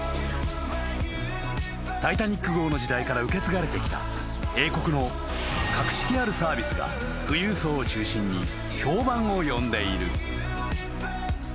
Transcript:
［タイタニック号の時代から受け継がれてきた英国の格式あるサービスが富裕層を中心に評判を呼んでいる］